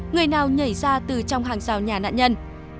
người nào nhảy ra từ trong hàng rào nhà nạn nhân